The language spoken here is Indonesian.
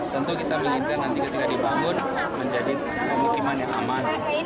tentu kita militer nanti ketika dibangun menjadi pemukiman yang aman